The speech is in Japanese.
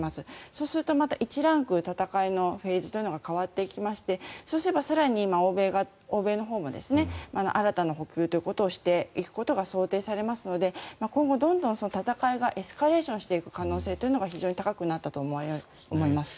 そうするとまた１ランク戦いのフェーズが変わっていきましてそうすれば更に欧米のほうも新たな補給をしていくことが想定されますので今後どんどん戦いがエスカレーションしていく可能性が非常に高くなったと思います。